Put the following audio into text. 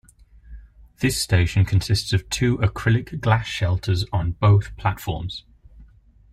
This station consists of two acrylic glass shelters on both platforms.